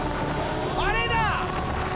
あれだ！